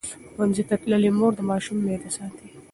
ښوونځې تللې مور د ماشوم معده ساتي.